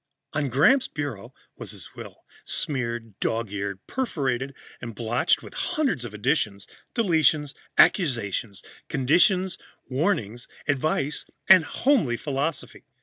On Gramps' bureau was his will, smeared, dog eared, perforated and blotched with hundreds of additions, deletions, accusations, conditions, warnings, advice and homely philosophy.